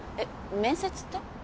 面接って？